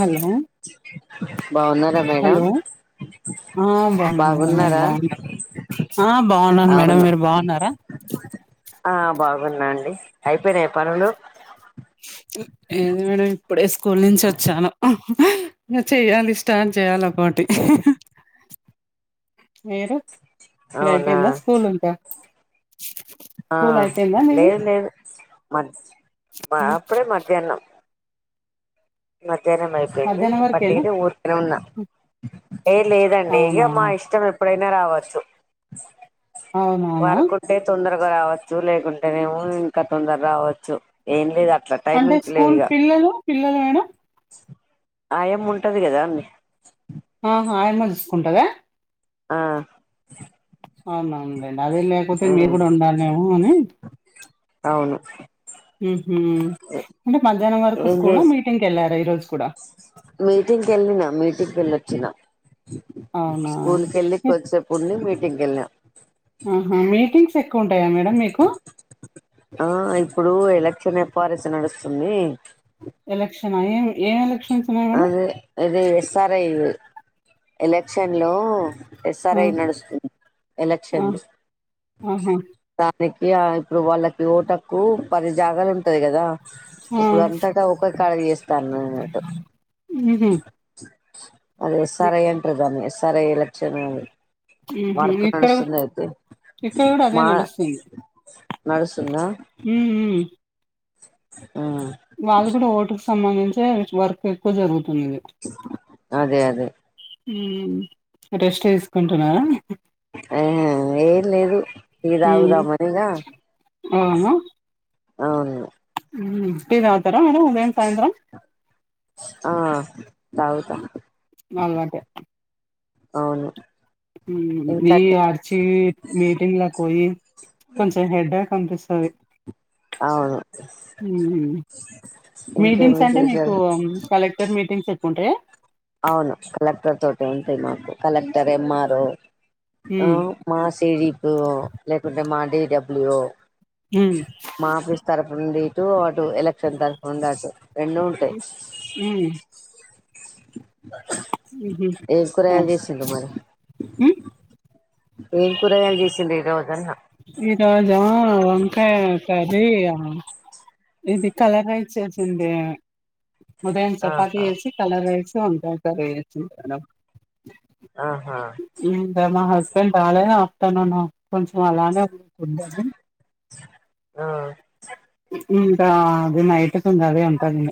Hello బాగున్నారా madam hello ఆ బాగున్నా మేడం మీరు బాగున్నారా? ఆ బాగున్నాను మేడం అవును మీరు బాగున్నారా? ఆ బాగున్నాండి అయిపోయినయి పనులు ఏంది మేడం ఇప్పుడే స్కూల్ నుంచి వచ్చాను. చెయ్యాలి స్టార్ట్ చేయాల ఒక్కోటి మీరు మీది అవునా అయిపోయిందా స్కూల్ ఇంకా ఆ స్కూల్ అయిపోయిందా మీది లేదు లేదు మద్ మా అప్పుడే మధ్యాహ్నం మధ్యాహ్నం అయిపోయింది. మధ్యాహ్నం వరకేనా వట్టిగానే ఊరుకనే ఉన్నా ఏ లేదండి ఇగ అవునా మా ఇష్టం. ఎప్పుడైనా రావచ్చు. అవునవునా వర్క్ ఉంటే తొందరగా రావచ్చు లేకుంటేనేమో ఇంకా తొందర రావచ్చు ఏం లేదు అట్లా అంటే టైమింగ్స్ స్కూల్ పిల్లలు పిల్లలు మేడం అయామ్మ ఉంటది కదా అండి ఆహ ఆమో చూసుకుంటదా ఆ అవునండి అదే లేకపోతే మీరు ఉమ్, కూడా ఉండాలేమో అని అవును మ్మ్ అంటే మధ్యాహ్నం వరకు స్కూల మీటింగ్ కి వెళ్ళారా ఈరోజు కూడా మీటింగ్ కి వెళ్ళినా మీటింగ్ కి వెళ్ళి వచ్చినా అవునా స్కూల్ కి వెళ్ళి మీ కొద్దిసేపు ఉండి మీటింగ్ కు వెళ్ళినా ఆహా మీటింగ్స్ ఎక్కువ ఉంటాయా మేడం మీకు ఆ ఇప్పుడు ఎలక్షన్ ఎప్ ఆర్ సి నడుస్తుంది ఎలక్షనా ఏం ఎలెక్షన్ అదే అదే ఎస్ఆర్ఐ ఎలక్షన్ లో ఆ ఎస్ఆర్ఐ నడుస్తుంది ఆ ఎలక్షన్ లో ఆహా మకి ఇప్పుడు వాళ్ళకి ఓటు హక్కు పది జాగాలు ఉంటా ఉంటాయి కదా ఆ ఇప్పుడు అంతగా ఒక్కసాట చేస్తానన్నట్టు ఉహు అది ఎస్ ఆర్ ఐ అంటారు దాన్ని ఎస్ఆర్ ఐ ఎలక్షన్ అది ఊహూ వర్క్ ఇక్కడ నడుస్తుంది అయితే ఇక్కడ కూడా అదే మా నడుస్తుందా మ్మ్ హ్మ్ ఆ వాళ్ళు కూడా ఓటుకి సంబంధించే వర్క్ ఎక్కువ జరుగు అదే అదే మ్మ్ రెస్ట్ తీసుకుంటున్నావా ఆహ ఏం లేదు ఉమ్ అవును అవును మ్మ్ టీ తాగతర మరి ఉదయంం సాయంత్రం ఆ తాగుతా అలవాటే అవును మ్మ్ ఇంకా నిను అరిచి మీటింగ్ లకు పోయి కొంచెం హెడ్ అనిపిస్తాది అవును ఇంకేం మీటింగ్స్ అంటే మీకు విశేషాలు కలెక్టర్ మీటింగ్స్ ఎక్కువ ఉంటాయి అవును కలెక్టర్ తోటి ఉంటాయి మాకు కలెక్టర్ ఎమ్మర్వొ ఆ ఉమ్ మా [unintelligible] లేకుంటే మాదేడబ్ల్యూ ఉమ్ మా ఆఫీస్ తరపు నుండి ఇటు ఎలక్షన్ తరఫు ఉండట్టు రెండు ఉంటాయి ఉహు ఏం కూరగాయలు చెసిండ్రు మరి ఉమ్ ఏం కూరగాయలు చేసిండ్రు ఈ రోజు అన్న ఈ రోజా వంకాయ కర్రి ఇది కలర్ రైస్ చేసింది ఉదయం చపాతి ఆహా చేసి కలర్ రైస్ వంకాయ కర్రీ చేసిన మేడం ఆహా ఇంకా మా హస్బెండ్ రాలే ఏమో తనన కొంచెం అలానే ఉండాది పుడ్ అది ఆ ఇంకా అది నైట్ కి ఉండాది అంటన్న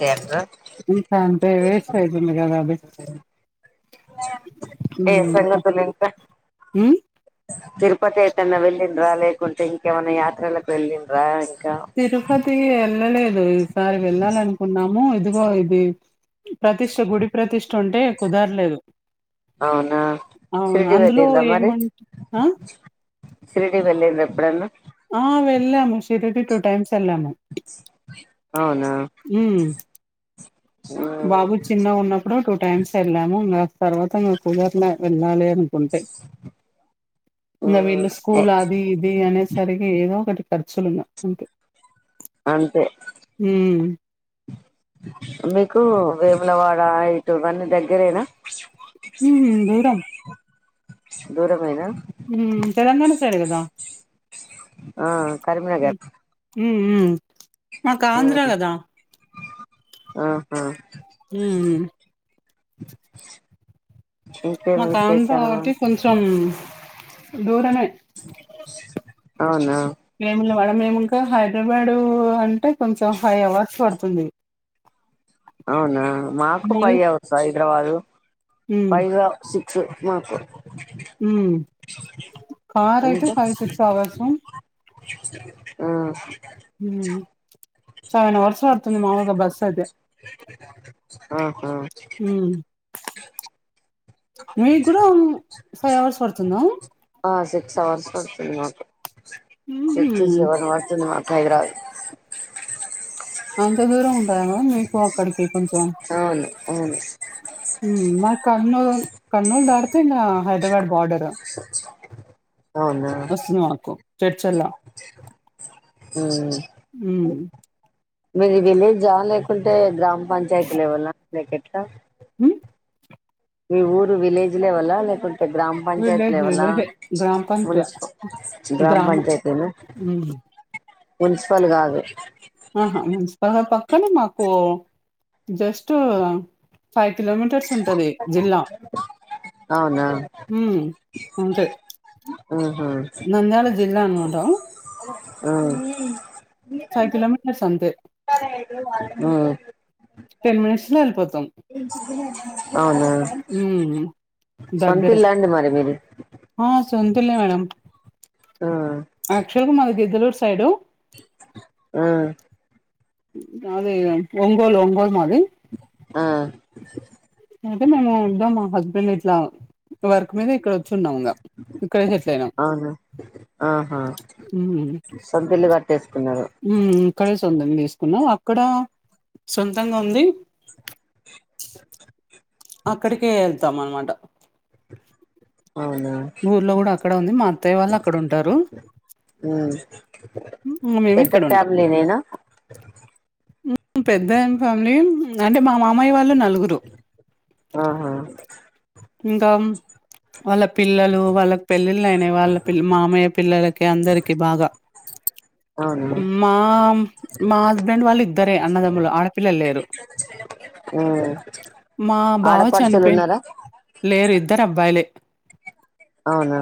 కేండ్ర [unintelligible] ఇంకా అంటే వేస్ట్ అయితుంది కదా అది ఏం సంగతులు ఇంకా ఉమ్ తిరుపతి ఎటైనా వెళ్ళన్రా లేక్కుంటే ఇంకెమన్నా యాత్రలకు వెల్లినరా. తిరుపతి వెళ్ళలేదు ఈసారి వెళ్ళాలినుకున్నాము. ఇదిగో ఇది ప్రతిష్ట గుడి ప్రతిష్ట ఉంటే కుదరలేదు. అవునా అవును షిరిడి అందులో వెలింద్ర మరి. ఏమంట ఆ సిరిడి వెళ్ళంద్ర ఎప్పుడన్నా. ఆ వెళ్లాము షిరిడి టూ టైమ్స్ వెళ్లము. అవునా. ఉమ్, బాబు చిన్న ఉన్నప్పుడు టూ టైమ్స్ వెళ్ళాము ఇంకా తర్వాత ఇం కుధరలే వెళ్ళాలి. అనుకుంటాయి ఇంకా ఉమ్, వీళ్ళ ఎ, స్కూల్ అది ఇది అనే సరిగా ఏదో ఒకటి. ఖర్చులన అంతె. అంతే మీకు. వేములవాడ యిట ఇవన్నీ దగ్గరేనా. ఉహు దూరం. దూరమైనా. ఉమ్ తెలంగాణ సైడ్ కదా ఆ ఉమ్ కరీంనగర్. మాకు ఆంధ్ర ఉమ్, కదా. ఆహా. ఉమ్. ఇంకేం మాకా ఆంధ్ర విశేషాలు కాబట్టి కొంచెం. దూరమై. అవునా. వేములవాడ మేము ఇంకా హైదరాబాద్ అంటే కొంచెం ఫైవ్ హవర్స్ పడుతుంది. అవునా మాకు పై మల్ హవర్స్ హైదరాబాదు ఉమ్, పై. స్ మాకు. హుమ్ కార్ అయితే ఫైవ్, సిక్స్ అవర్సు. ఆ‌. హ్మ్ చాలా హవర్స్ పడుతుంది మామూలుగా బస్సు అయితే. ఆహా. ఉమ్. మీకు కూడా ఫైవ్ అవర్స్ పడుతుంద. ఆ సిక్స్ అవర్స్ పడుతుంది మాకు సిక్స్, ఉహుం. సెవెన్ పడుతుంది మాకు. హైదరాబాద్. అంత దూరం ఉంటాద మీకు అక్కడికి కొంచెం. అవును అవును ఉమ్ మది కర్నూలు కర్నూలు దాడితే ఇంగా హైదరాబాద్ బోర్డర్. అవునా. మాకు చర్చల్లో హ్మ్. మీది విలేజ్ లేకుంటే గ్రామ పంచాయతీలు లేవల మీక ఎట్లా. హుమ్. మీ ఊరు విలేజ్ లేవల లేకుంట‌. గ్రామ పంచయతీ విలేజ్ లెవెల విలేజ్ గ్రామ పంచాయత్ మున్సిపల్ గ్రామ గ్రామం పంచాయితేన. హ్మ్ మున్సిపల్ కాదు. ఆహా మున్సిపల్ పక్కనే మాకు జస్ట్ ఫైవ్. కిలోమీటర్స్ ఉంటుది జిల్లా. అవునా హ్మ్. అంతే. ఆహ. నంద్యాల జిల్లా అన్నమాట. ఆ. ఫైవ్ కిలోమీటర్స్ అంతే. మ్మ్ టెన్ మనిట్స్ లో వెళ్లిపోతాం. అవునా హుమ్ సొంత దగ్గరే. ఇల్లా అండి మరి మీది సొంతిళ్ల మేడం. ఆ యాక్చువల్ గా మారి తొర్రూర్ సైడ్. ఆ. అది ఒంగోలు ఒంగోలు మది ఆ అయితే మేము ఉద్దాం మా హస్బెండ్ ఇట్లా వర్క్ మీద ఇక్కడ కూర్చున్నాము ఇక్కడే సెటిల్ అయినాం అవును ఆహా సొంతిల్లు కట్టేసుకో ఉమ్ సొంతంగా తీసుకున్నా అక్కడ సొంతంగా ఉంది అక్కడికే వెళ్తాం అనమాట అవునా ఊర్లో కూడా అక్కడ ఉంది మా అత్తయ్య వాళ్ళు అక్కడ ఉంటారు ఉమ్ పెద్ద మేమిక్కెడుంట ఫ్యామిలీనేనా పెద్ద ఫ్యామిలీ అంటే మా మామయ్య వాళ్ళు నలుగురు ఆహా ఇంకామ్ వాళ్ళ పిల్లలు వాళ్ళకి పెళ్ళిళ్ళయినా వాళ్ళ పిల్ మామయ్య పిల్లలకి అందరికి బాగా అవునా మా మా హస్బెండ్ వాళ్ళు ఇద్దరే అన్నదమ్ములు ఆడపిల్ల లేరు మా బావ ఆడపడుచలు చనిపోయిన ఉన్నారా లేరు ఇద్దరు అబ్బాయిలే అవునా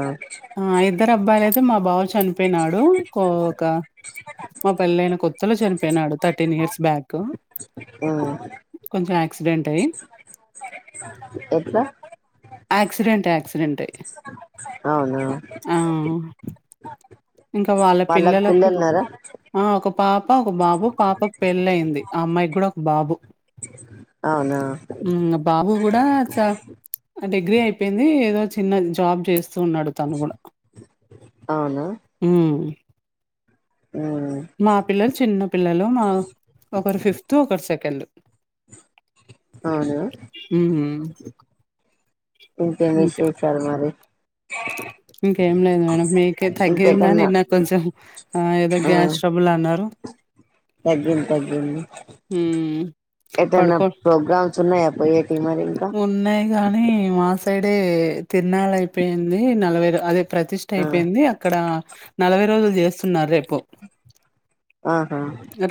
ఆ ఇద్దరు అబ్బాయిలేతే మా బా చనిపోయినాడు ఒక మా పెళ్లైన కొత్త అ చనిపోయినాడు థర్టీన్ ఇయర్స్ బ్యాక్ ఉమ్ కొంచం ఆక్సిడెంట్ అయి ఎట్లా ఆక్సిడెంట్ ఆక్సిడెంట్ అవునా ఆ ఇంకా వాళ్ళ వాళ్ళకు పిల్లలకు పిల్లలున్నారా ఆ ఒక ఒక పాప ఒక బాబు పాపకు పెళ్ళ అయింది ఆ అమ్మాయికి కూడా ఒక బాబు అవునా కూడా డిగ్రీ అయిపోయింది ఏదో చిన్న జాబ్ చేస్తు స్తుూన్నాడు తను కూడా అవునా ఉమ్ ఉమ్ మా పిల్లలు చిన్న పిల్లలు మా ఒకరు ఫిఫ్త్ ఒకరు సెకండ్ అవునా హ్మ్. ఇంక [unintelligible] మరి ఇంకేం లేదు మేడం మీకే తగ్గిందాని ఇంకెటన్నా నాకు కొంచెం ఆ ఏదో గ్యాస్ ట్రబుల్ అన్నారు తగ్గంది తగ్గింది హ్మ్. ఏదన్న పడుకో ప్రోగ్రామ్స్ ఉన్నాయా పో ఉన్నాయి గాని మాస ఒక సైడే తిరునాళ అయిపోయింది నలభై అదే ప్రతిష్ట ఆ అయిపోయింది అక్కడ నలభై రోజులు జేస్తున్నారు రేపు ఆహా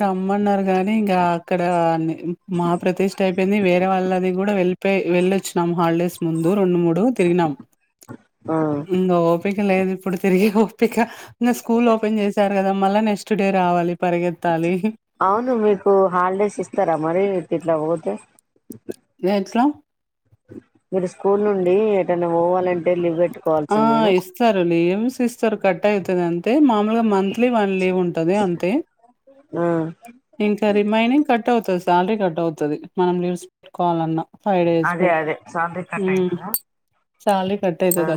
రమ్మన్నారు కానీ ఇంకా అక్కడ అని మా ప్రతిష్ట అయిపోయింది వేరే వాళ్ళది కూడా వెళ్ళి వెళ్ళొచ్చినం హాలిడేస్ ముందు రెండు మూడు ప్పుడు తిరిగినాం ఆ ఇంగ ఓపిక లేదు ఇప్పుడు తిరిగే ఓపిక న స్కూల్ ఓపెన్ చేశారు కదా మళ్ళ నెక్స్ట్ డే రావాలి పరిగెత్తాలి. అవును మీకు హాలిడేస్ ఇస్తారా మరి మీ ఇట్లా పోతే ఎ ఎట్లా మీరు స్కూల్ నుండి ఏటైనా పోవాలంటే లీవ్ పెట్ట ఆ ఇస్తారులి ఏంసుస్తి ఇస్తారు కట్టాయితద అం అయితే మామూలుగా మంత్లీ వన్ లీవ్ ఉంటది అంతే ఆ ఇంకా రిమైనింగ్ కట్ అవుతది శాలరీ కట్ అవుతది మనం లీవస్ పెట్కోవాలన్నా ఫైవ్ డేస్ అదే బట్ అదే శాలరీ ఊ కట్ అయితదా సాలరీ ఆ కట్టైతదా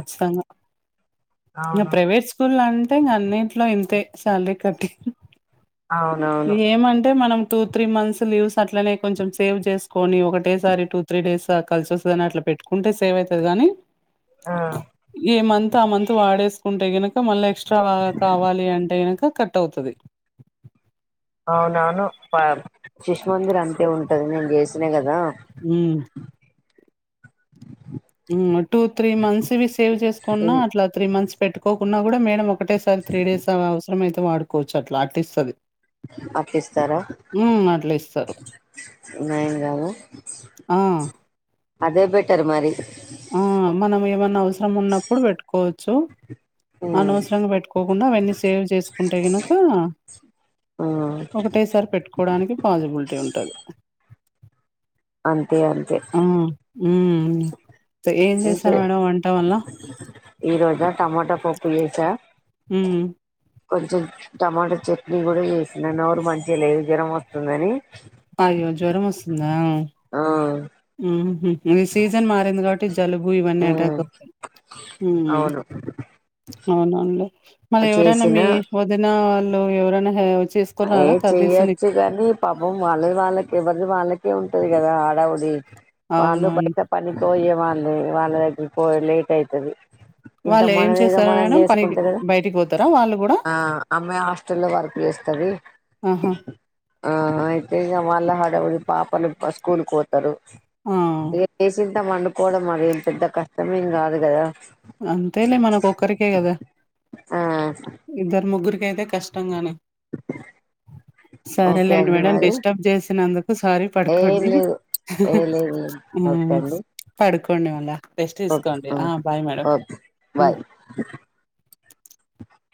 ఇ అ అవును ప్రైవేట్ స్కూల్ల అంటే ఇంగ అన్నిట్ల ఇంతే శాలరీ కట్టి అవునవును ఇగ ఏమంటే మనం టూ త్రీ మంత్స్ లీవ్స్ అట్లనే కొంచెం సేవ్ చేసుకోని, ఒకటేసారి టూ త్రీ డేస్ అ కలిసొస్తదని అట్ల పె. పెట్టుకుంటే సేవ్ అయితది గాని ఆ ఏ మంత్ ఆ మంత్ వాడేసుకుంటే గినక మళ్ళ ఎక్స్ట్రా వా కావాలి అంటే గినక కట్ అవుతది. అవునౌను పై శిషుమందిర్ అంతే ఉంటది నేను చేసిన గదా ఊ టూ త్రీ మంత్స్ వి సేవ్ చేసుకున్నా ఇన్ అట్లా త్రీ మంత్స్ పెట్టుకోకున్నా కూడా మేడం ఒకటేసారి త్రీ డేస్ అలా అవసరం అయితే వాడుకోవచ్చు అట్లా ఆర్టిస్తది అప్పిస్తారా అట్లా ఇస్తారు. నయం గద ఆ! అదే బెట్ తెరుమరి ఆ మనం ఏమన్న అవసరం ఉన్నప్పుడు వెట్టుకోవొచ్చు ఉమ్, అనోసరంగా పెట్టుకోకుండా అవన్నీ సేవ్ చేసుకుంటే గినకా ఉమ్, ఒకటేసారి పెట్టుకోడానికి పాజిబిలిటీ ఉంటది అంతే అంతే ఆ! హ్మ్. ఏం చేసారు ఇంకే మేడం వంట వల్ల ఈ రోజా టమాటా పప్పు ఏసా హూ కొంచెం టమాటా చట్నీ గూడ ఏసిన నోరు మంచి లేదు జరం ఒస్తుందని అయ్యో జ్వరం ఒస్సుందా ఆ ఊహు ఇఎ సీజన్ మారింది కాబట్టి జలుబు ఇవన్నీ అటాక్ మ్మ్ అ అవును మళి ఎవరైనా చేసిన మీ వదిన వాళ్ళు ఎవరైనా హే ఏ చెయ్యొచ్చు గానీ పాపం వాళ్ళది వాళ్ళకే ఎవరిది వాళ్ళకే ఉన్ టది గదా హడావుడి వాళ్ళు అవునవును. బయట పనిక్ వొయ్యే వాళ్ళు వాళ్ళ దగ్గరి పో లేట్ అయితది ఇంత వాళ్ళు ఏం మనదేదో చేస్తారా మనం మేడం పనికి చేసుకుంటే గద, బయటికి పోతారా వాళ్ళు గూడా? ఆ అమ్మాయ్ హాస్టల్ లో వర్క్ జేస్తది. ఆహా! ఆ అయితే ఇగ మళ్ళ హడవుడి పాపలు ఆ స్కూలుక్ వో తరు ఆ! ఏసింత వండుకోవడం మరి ఏం పెద్ద కష్టమేం గాదు గదా అంతేలే మనకొక్కరికే గద ఆ ఇద్దరు ముగ్గురి పేతే కష్టం గాని ఓకే సరేలేండి అండి మేడం మరి డిస్టర్బ్ చేసినందుక్ సారి ఏం పడకోండి లేదు ఏ లేదు ఓకే అండి పడుకొ కోండి మళ రెస్ట్ తీసుకోండి ఆ బాయ్ మేడం ఓకె హ్మ్. బాయ్